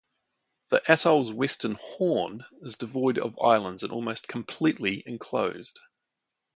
The Atoll's western "horn" is devoid of islands and almost completely enclosed.